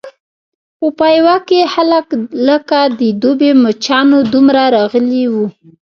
په پېوه کې خلک لکه د دوبي مچانو دومره راغلي وو.